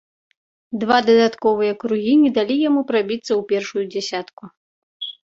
Два дадатковыя кругі не далі яму прабіцца ў першую дзясятку.